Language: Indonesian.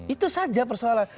itu saja persoalan